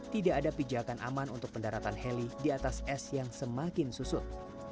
tidak ada pijakan aman untuk pendaratan heli di atas es yang semakin susut